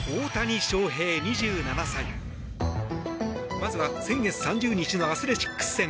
まずは先月３０日のアスレチックス戦。